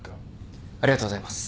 ありがとうございます。